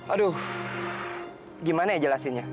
aduh gimana ya jelasinnya